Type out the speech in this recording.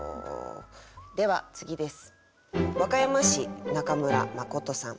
では次です。